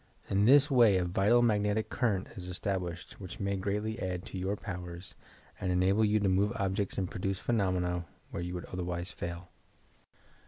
In this way a vital magnetic current is estab PHYSICAL PHENOMENA 333 lished which may greatly add to your powers and enable you to move objects and produce phenomena where you would otherwise fail.